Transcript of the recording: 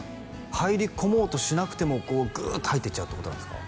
入り込もうとしなくてもグーッと入っていっちゃうってことなんですか？